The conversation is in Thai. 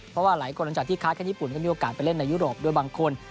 เพราะว่าหลายคนหลังจากที่ค้าแค่ญี่ปุ่นก็มีโอกาสไปเล่นในยุโรปด้วยบางคน